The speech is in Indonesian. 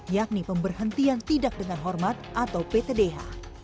yakni pemberhentian tidak dengan hormat atau ptdh